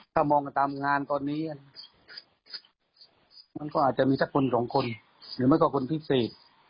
ถ้ามองตามงานตอนนี้ก็อาจจะมี๑๒คนหรือไม่ก็คนพิเศษ